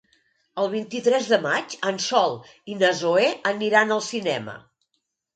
El vint-i-tres de maig en Sol i na Zoè aniran al cinema.